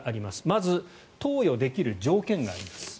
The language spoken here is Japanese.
まず、投与できる条件があります。